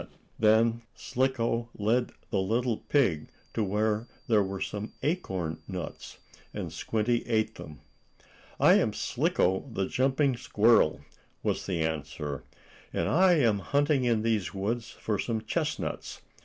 [Illustration: Then Slicko led the little pig to where there were some acorn nuts, and Squinty ate them.] "I am Slicko, the jumping squirrel," was the answer, "and I am hunting in these woods for some chestnuts.